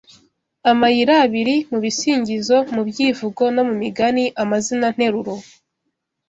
Amayirabiri Mu bisingizo mu byivugo no mu migani amazina nteruro